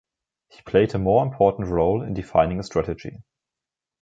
He played a more important role in defining a strategy.